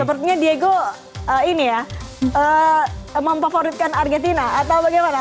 sepertinya diego memfavoritkan argentina atau bagaimana